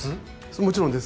もちろんです。